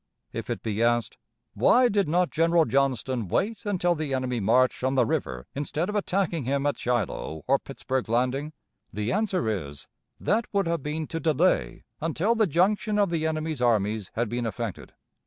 If it be asked, "Why did not General Johnston wait until the enemy marched from the river instead of attacking him at Shiloh or Pittsburg Landing?" the answer is, "That would have been to delay until the junction of the enemy's armies had been effected."